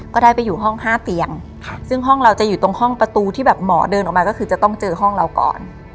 ก็ได้ไปอยู่ห้อง๕เตียงซึ่งห้องเราจะอยู่ตรงห้องประตูที่แบบหมอเดินออกมาก็คือจะต้องเจอห้องเราก่อน